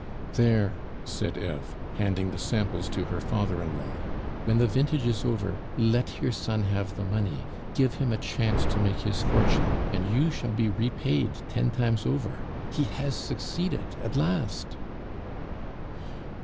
"There!" said Eve, handing the samples to her father in law, "when the vintage is over let your son have the money, give him a chance to make his fortune, and you shall be repaid ten times over; he has succeeded at last!"